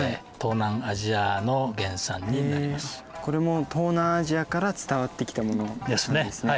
これも東南アジアから伝わってきたものなんですね。ですね。